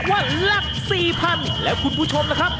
ว่าหลักสี่พันแล้วคุณผู้ชมนะครับ